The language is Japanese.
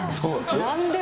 なんでも。